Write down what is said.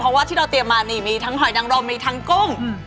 เพราะว่าที่เราเตรียมมานี่มีทั้งหอยนังรมมีทั้งกุ้ง